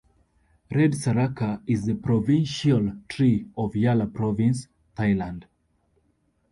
Red saraca is the provincial tree of Yala province, Thailand.